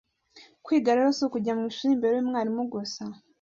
kwiga rero si ukujya mu ishuri imbere y’umwarimu gusa